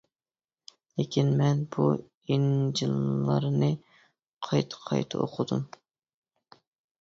لېكىن مەن بۇ ئىنجىللارنى قايتا-قايتا ئوقۇدۇم.